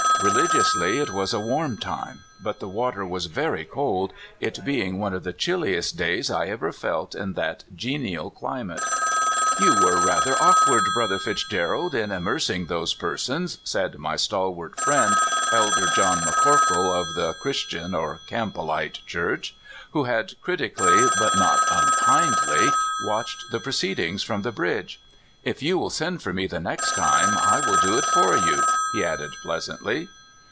Reli giously, it was a warm time ; but the water was very cold, it being one of the chilliest days I ever felt in that genial climate. "You were rather awkward. Brother Fitzger ald, in immersing those persons," said my stahvart friend. Elder John McCorkle, of the Christian " (or Campbellite) Church, who had critically, but not unkindly, watched the proceedings from the bridge. " If you will send for me the next time, I will do it for you," he added pleasantly.